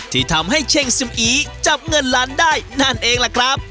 ที่ทำให้เช่งซิมอีจับเงินล้านได้นั่นเองล่ะครับ